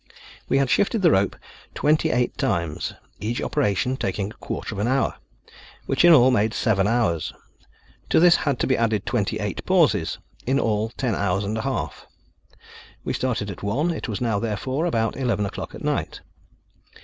We had shifted the rope twenty eight times, each operation taking a quarter of an hour, which in all made seven hours. To this had to be added twenty eight pauses; in all ten hours and a half. We started at one, it was now, therefore, about eleven o'clock at night.